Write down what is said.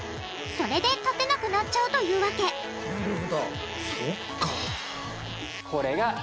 それで立てなくなっちゃうというわけそっか。